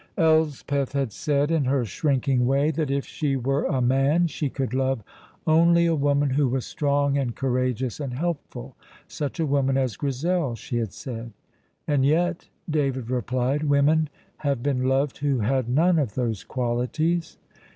Elspeth had said, in her shrinking way, that if she were a man she could love only a woman who was strong and courageous and helpful such a woman as Grizel, she had said. "And yet," David replied, "women have been loved who had none of those qualities."